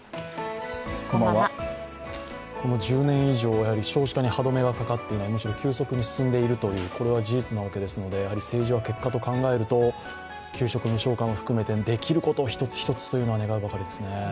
この１０年以上少子化に歯どめがかかっていないむしろ急速に進んでいるという、これは事実なわけですので、やはり政治は結果と考えると、給食無償化も含めてできることを一つ一つというのは願うばかりですね。